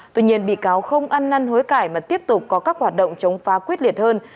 tuy nhiên bị cáo không ăn năn hối cải mà tiếp tục có các hoạt động chống phá quyết liệt hơn